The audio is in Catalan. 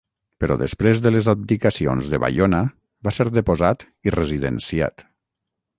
Però després de les abdicacions de Baiona va ser deposat i residenciat.